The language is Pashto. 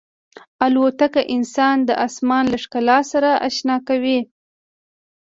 الوتکه انسان د آسمان له ښکلا سره اشنا کوي.